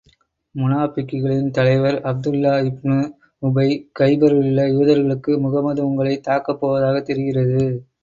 முனாபிக்குகளின் தலைவர் அப்துல்லாஹ் இப்னு உபை, கைபரிலுள்ள யூதர்களுக்கு முஹம்மது உங்களைத் தாக்கப் போவதாகத் தெரிகிறது.